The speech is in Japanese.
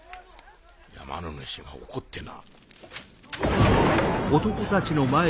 山の主が怒ってな。